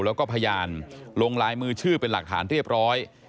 แล้วก็พยานลงลายมือชื่อเป็นหลักฐานเรียบร้อย